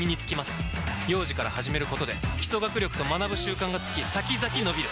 幼児から始めることで基礎学力と学ぶ習慣がつき先々のびる！